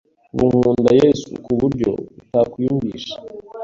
ubu nkunda Yesu ku buryo utakwiyumvisha